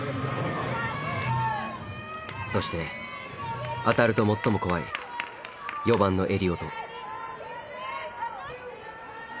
そして当たると最も怖い４番のエリオト。